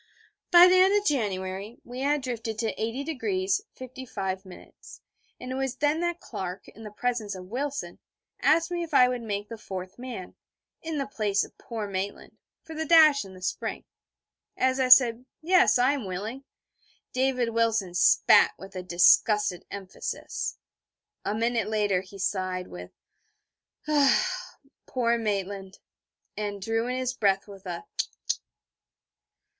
By the end of January we had drifted to 80° 55'; and it was then that Clark, in the presence of Wilson, asked me if I would make the fourth man, in the place of poor Maitland, for the dash in the spring. As I said 'Yes, I am willing,' David Wilson spat with a disgusted emphasis. A minute later he sighed, with 'Ah, poor Maitland...' and drew in his breath with a _tut!